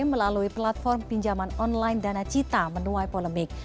melalui platform pinjaman online dana cita menuai polemik